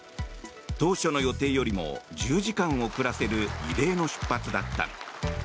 当初の予定よりも１０時間遅らせる異例の出発だった。